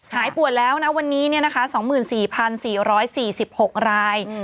หายป่วยแล้วนะวันนี้๒๔๔๔๖ราย